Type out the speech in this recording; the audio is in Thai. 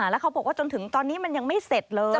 แล้วเขาบอกว่าจนถึงตอนนี้มันยังไม่เสร็จเลย